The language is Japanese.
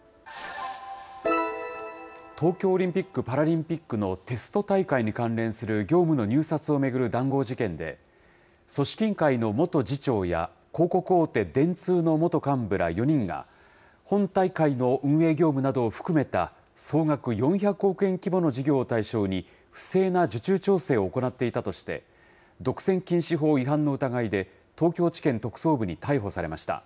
東京オリンピック・パラリンピックのテスト大会に関連する業務の入札を巡る談合事件で、組織委員会の元次長や広告大手、電通の元幹部ら４人が、本大会の運営業務などを含めた総額４００億円規模の事業を対象に、不正な受注調整を行っていたとして、独占禁止法違反の疑いで、東京地検特捜部に逮捕されました。